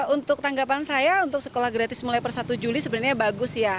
untuk tanggapan saya untuk sekolah gratis mulai per satu juli sebenarnya bagus ya